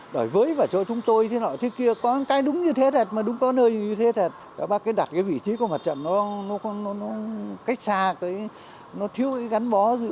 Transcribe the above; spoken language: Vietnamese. đóng góp ý kiến